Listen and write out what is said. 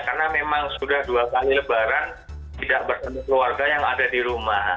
karena memang sudah dua kali lebaran tidak bertemu keluarga yang ada di rumah